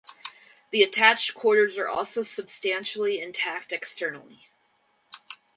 The attached quarters are also substantially intact externally.